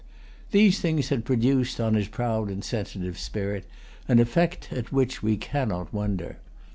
These things had produced[Pg 213] on his proud and sensitive spirit an effect at which we cannot wonder.